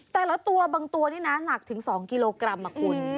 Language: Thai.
แต่ละตัวบางตัวนี่นะหนักถึง๒กิโลกรัมคุณ